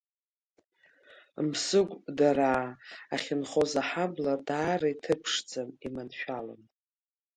Мсыгәдараа ахьынхоз аҳабла даара иҭыԥ ԥшӡан, иманшәалан.